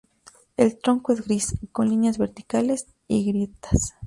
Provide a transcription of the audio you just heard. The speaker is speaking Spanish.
El tronco es gris, con líneas verticales y grietas.